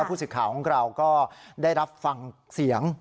พุทธศึกข่าวของเราได้รับฟังเสียง